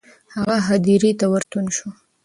هغه هدیرې ته ورستون شو.